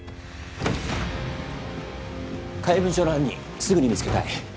・怪文書の犯人すぐに見つけたい。